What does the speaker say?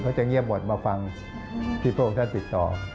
จะเงียบหมดมาฟังที่พระองค์ท่านติดต่อ